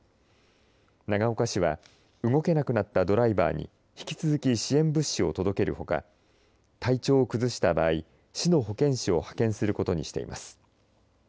長岡市は動けなくなったドライバーに引き続き支援物資を届けるほか体調を崩した場合市の保健師を派遣することにしています。